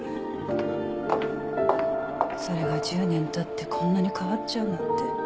それが１０年経ってこんなに変わっちゃうなんて。